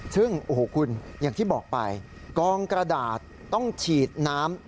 ซึ่งอย่างที่บอกไปกองกระดาษต้องฉีดน้ำ